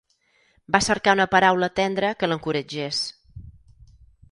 Va cercar una paraula tendra que l'encoratgés